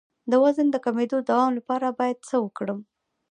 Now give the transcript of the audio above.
د وزن د کمیدو د دوام لپاره باید څه وکړم؟